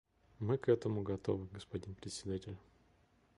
Мы к этому готовы, господин Председатель.